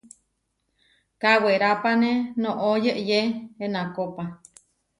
Kawerápane noʼó yeʼyé enákopa.